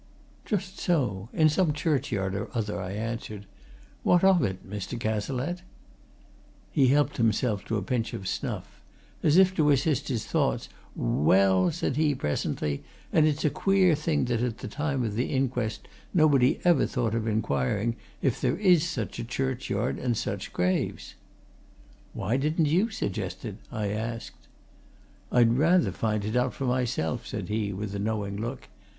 "Just so in some churchyard or other," I answered. "What of it, Mr. Cazalette?" He helped himself to a pinch of snuff, as if to assist his thoughts. "Well," said he presently, "and it's a queer thing that at the time of the inquest nobody ever thought of inquiring if there is such a churchyard and such graves." "Why didn't you suggest it?" I asked. "I'd rather find it out for myself," said he, with a knowing look.